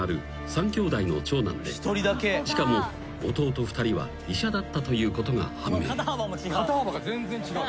３兄弟の長男でしかも弟２人は医者だったということが判明］